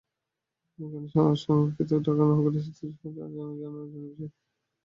এখানে সংরক্ষিত আছে ঢাকা নগরীর স্মৃতি সংক্রান্ত জানা-অজানা নানা বিষয়।